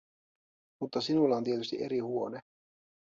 Mutta sinulla on tietysti eri huone.